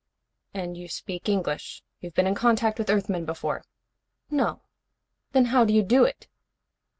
"And you speak English? You've been in contact with Earthmen before?" "No." "Then how do you do it?"